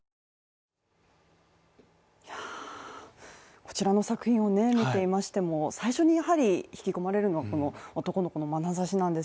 こちらの作品を見ていましてもう最初にやはり引き込まれるのはこの男の子の眼差しなんです